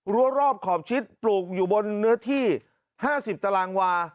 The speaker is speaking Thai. รอบขอบชิดปลูกอยู่บนเนื้อที่๕๐ตารางวา